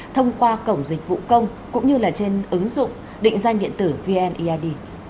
thông qua cổng dịch vụ công cũng như là trên ứng dụng định danh điện tử vneid